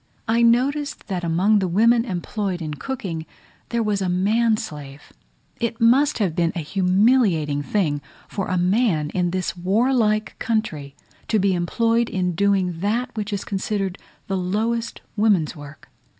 I noticed that among the women employed in cooking, there was a man slave: it must be a humiliating thing for a man in this warlike country to be employed in doing that which is considered as the lowest woman's work.